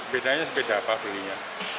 bedanya beda apa belinya